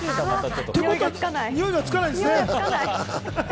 においがつかないんですね。